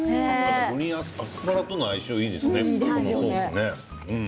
アスパラとの相性がいいですね、このソース。